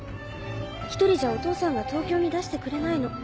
１人じゃお父さんが東京に出してくれないの。